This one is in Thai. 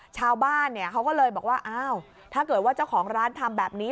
ชาวบ้านเขาก็เลยบอกว่าอ้าวถ้าเกิดว่าเจ้าของร้านทำแบบนี้